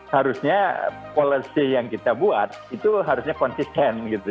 harusnya policy yang kita buat itu harusnya konsisten gitu